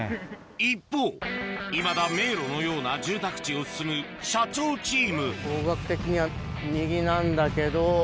一方いまだ迷路のような住宅地を進む社長チーム方角的には。